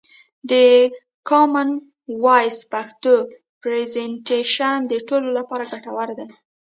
د کومن وایس پښتو پرزنټیشن د ټولو لپاره ګټور و.